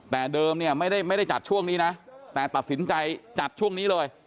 แต่เดิมเนี่ยไม่ได้จัดช่วงนี้นะแต่ตัดสินใจจัดช่วงนี้เลย